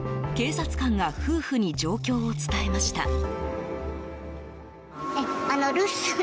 警察官が夫婦に状況を伝えました。